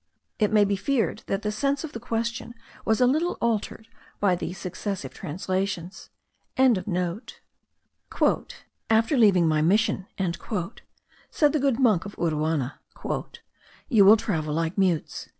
It may be feared that the sense of the question was a little altered by these successive translations.) "After leaving my Mission," said the good monk of Uruana, "you will travel like mutes."